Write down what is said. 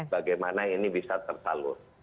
bagaimana ini bisa tersalur